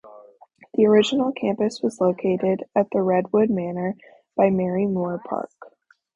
The original campus was located at the Redwood Manor by Marymoor Park.